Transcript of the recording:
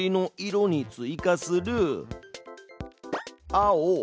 「青」。